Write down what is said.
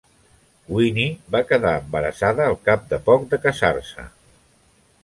Winnie va quedar embarassada al cap de poc de casar-se.